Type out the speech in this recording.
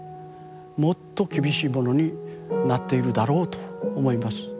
もっと厳しいものになっているだろうと思います。